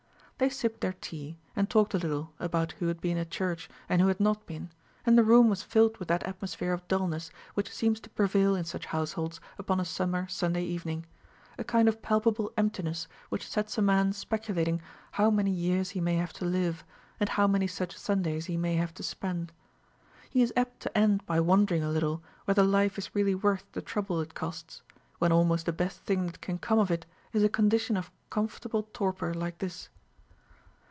They sipped their tea, and talked a little about who had been at church and who had not been, and the room was filled with that atmosphere of dulness which seems to prevail in such households upon a summer Sunday evening; a kind of palpable emptiness which sets a man speculating how many years he may have to live, and how many such Sundays he may have to spend. He is apt to end by wondering a little whether life is really worth the trouble it costs, when almost the best thing that can come of it is a condition of comfortable torpor like this.